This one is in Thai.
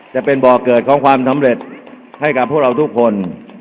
จะเป็นบ่อเกิดของความสำเร็จให้กับพวกเราทุกคน